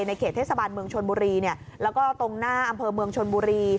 เขตเทศบาลเมืองชนบุรีแล้วก็ตรงหน้าอำเภอเมืองชนบุรี